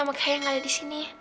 makanya gak ada di sini